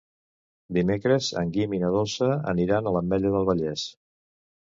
Dimecres en Guim i na Dolça aniran a l'Ametlla del Vallès.